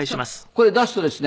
これ出すとですね